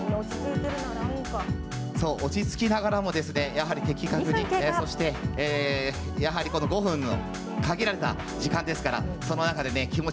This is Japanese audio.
落ち着きながらも、的確にそしてやはり５分の限られた時間ですから。